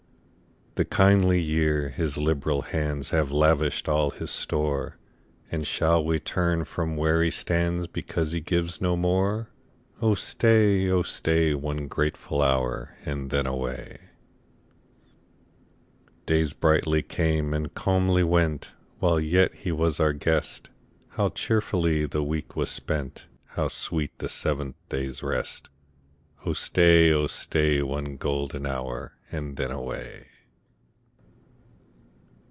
36 POEMS. The kindly year, his liberal hands Have lavished all his store. And shall we turn from where he stands, Because he gives no more? Oh stay, oh stay, One grateful hotir, and then away. Days brightly came and calmly went, While yet he was our guest ; How cheerfully the week was spent ! How sweet the seventh day's rest ! Oh stay, oh stay. One golden hour, and then away.